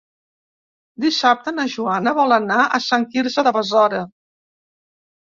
Dissabte na Joana vol anar a Sant Quirze de Besora.